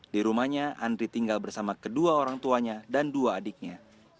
di rumahnya andri tinggal bersama kedua orang tuanya dan dua adiknya